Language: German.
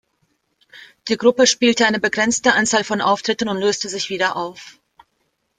Die Gruppe spielte eine begrenzte Anzahl an Auftritten und löste sich wieder auf.